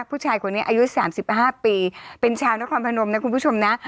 ผู้ชายคนนี้อายุ๓๕ปีเป็นชาวนครพนมนะคุณผู้ชมนะ